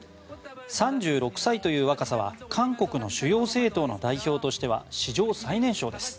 ３６歳という若さは韓国の主要政党の代表としては史上最年少です。